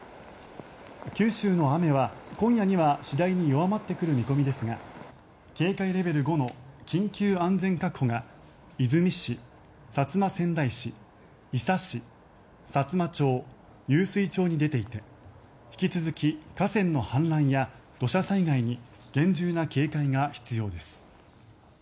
九州の雨は今夜には次第に弱まってくる見込みですが警戒レベル５の緊急安全確保が出水市、薩摩川内市伊佐市、さつま町、湧水町に出ていて引き続き河川の氾濫や土砂災害に厳重な警戒が必要です。